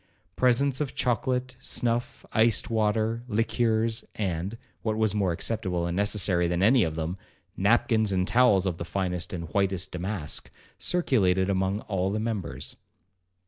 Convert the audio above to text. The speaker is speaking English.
Presents of chocolate, snuff, iced water, liqueurs, and (what was more acceptable and necessary than any of them) napkins and towels of the finest and whitest damask, circulated among all the members.